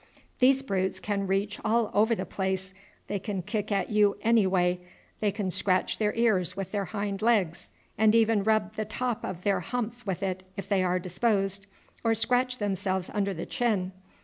These brutes can reach all over the place; they can kick at you any way. They can scratch their ears with their hind legs, and even rub the top of their humps with it if they are disposed, or scratch themselves under the chin.